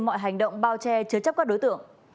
mọi hành động bao che chứa chấp các đối tượng